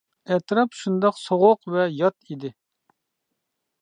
ئەتراپ شۇنداق سوغۇق ۋە يات ئىدى.